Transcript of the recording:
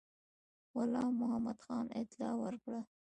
غلام محمدخان اطلاع ورکړه.